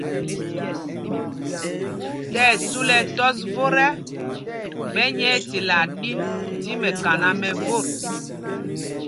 Tí ɛsu lɛ ɛtɔs vot ɛ, ɓɛ nyɛɛ tilaa ɗin tí mɛkaná mɛ vot.